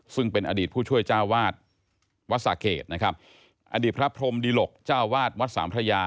ซึ่งเป็นอดีตผู้ช่วยเจ้าวาดวัดสะเกดนะครับอดีตพระพรมดิหลกเจ้าวาดวัดสามพระยา